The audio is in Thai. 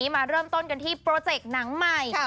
มาเริ่มต้นกันที่โปรเจกต์หนังใหม่